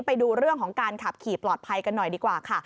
ไปดูเรื่องของการขับขี่ปลอดภัยกันหน่อยดีกว่าค่ะ